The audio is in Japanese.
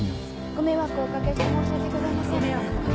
ご迷惑をお掛けして申し訳ございません。